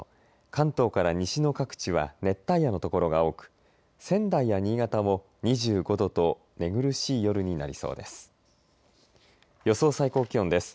関東から西の各地は熱帯夜のところが多く仙台や新潟も２５度と寝苦しい夜になりそうです。